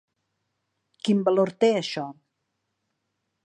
Quin valor té això?